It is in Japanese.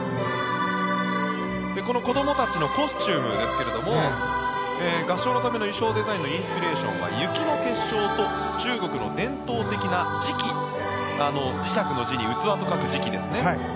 この子どもたちのコスチュームですけれども合唱のための衣装デザインのインスピレーションは雪の結晶と中国の伝統的な磁器磁石の磁に器と書く磁器ですね